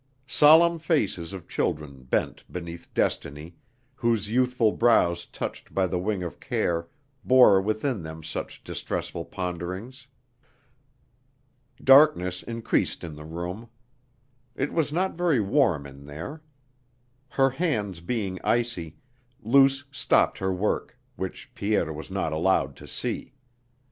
Solemn faces of children bent beneath Destiny, whose youthful brows touched by the wing of care bore within them such distressful ponderings!... Darkness increased in the room. It was not very warm in there. Her hands being icy, Luce stopped her work, which Pierre was not allowed to see.